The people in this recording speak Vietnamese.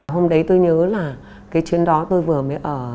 hôm đấy tôi nhớ là cái chuyến đó tôi vừa mới ở sĩ nây vừa về buổi trưa